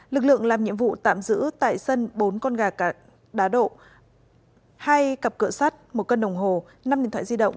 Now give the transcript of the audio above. lực lượng làm nhiệm vụ tạm giữ tại sân bốn con gà đá độ hai cặp cửa sắt một cân đồng hồ năm điện thoại di động